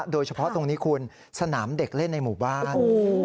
โดยเฉพาะตรงนี้คุณสนามเด็กเล่นในหมู่บ้าน